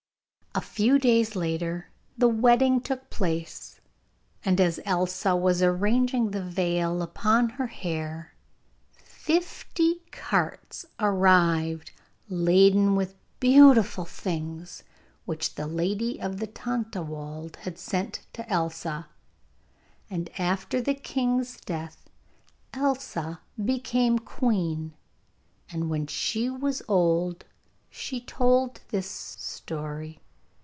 A few days later the wedding took place, and as Elsa was arranging the veil upon her hair fifty carts arrived laden with beautiful things which the lady of the Tontlawald had sent to Elsa. And after the king's death Elsa became queen, and when she was old she told this story.